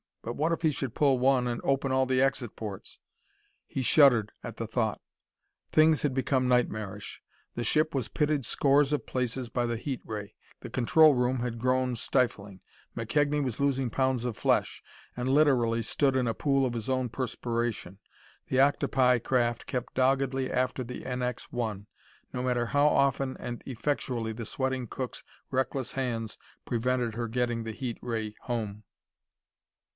But what if he should pull one and open all the exit ports? He shuddered at the thought. Things had become nightmarish. The ship was pitted scores of places by the heat ray. The control room had grown stifling. McKegnie was losing pounds of flesh, and literally stood in a pool of his own perspiration. The octopi craft kept doggedly after the NX 1, no matter how often and effectually the sweating cook's reckless hands prevented her getting the heat ray home.